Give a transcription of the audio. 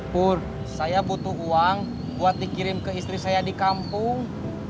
bur saya butuh uang buat dikirim ke istri saya di kampung